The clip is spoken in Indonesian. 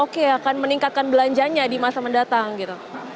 oke akan meningkatkan belanjanya di masa mendatang gitu